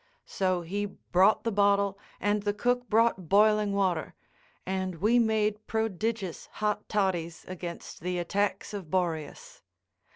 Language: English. So he brought the bottle and the cook brought boiling water, and we made prodigious hot toddies against the attacks of Boreas.